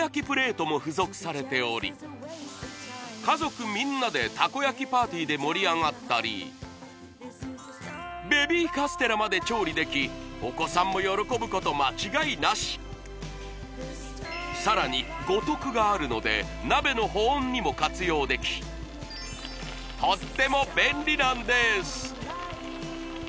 プレートも付属されており家族みんなでたこ焼きパーティーで盛り上がったりまで調理できお子さんも喜ぶこと間違いなしさらに五徳があるので鍋の保温にも活用できとっても便利なんです